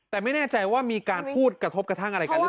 แต่ไม่แน่ใจว่ามีการพูดกระทบกระทั่งอะไรกันหรือเปล่า